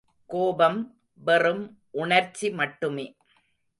கோபம் வெறும் உணர்ச்சி மட்டுமே.